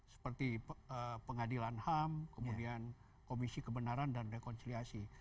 seperti pengadilan ham kemudian komisi kebenaran dan rekonsiliasi